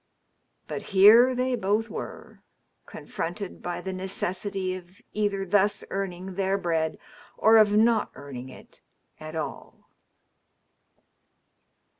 But here they botii were, confronted by the necessity of either thus earning their bread or of not earning it at all.